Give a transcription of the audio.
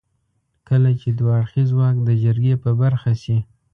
کله چې دوه اړخيز واک د جرګې په برخه شي.